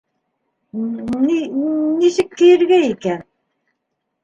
- Н-нисек кейергә икән?